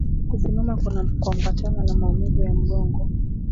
Kusimama kunakoambatana na maumivu ya mgongo huletwa na ugonjwa wa homa ya mapafu